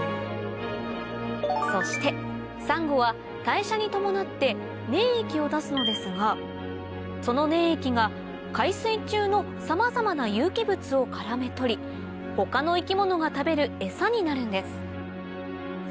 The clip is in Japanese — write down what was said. そしてサンゴは代謝に伴って粘液を出すのですがその粘液が海水中のさまざまな有機物をからめとり他の生き物が食べるエサになるんです